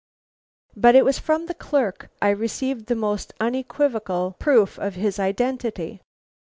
"But it was from the clerk I received the most unequivocal proof of his identity.